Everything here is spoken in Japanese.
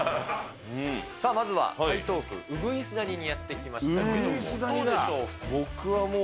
さあ、まずは台東区鶯谷にやって来ましたけども、どうでしょう。